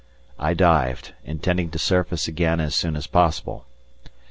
I dived, intending to surface again as soon as possible.